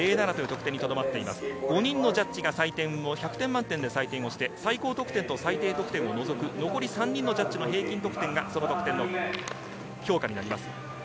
５人のジャッジが１００点満点で採点をして、最高得点と最低得点を除く残り３人の平均ジャッジが評価になります。